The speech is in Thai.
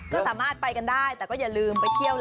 ก็สามารถไปกันได้แต่ก็อย่าลืมไปเที่ยวเลย